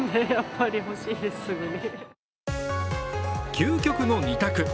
究極の２択。